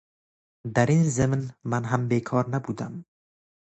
دراین ضمن من هم بیکار نبودم